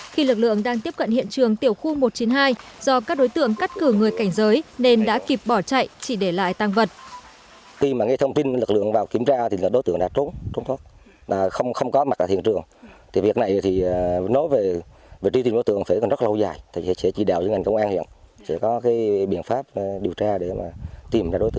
khi lực lượng đang tiếp cận hiện trường tiểu khu một trăm chín mươi hai do các đối tượng cắt cử người cảnh giới nên đã kịp bỏ chạy chỉ để lại tăng vật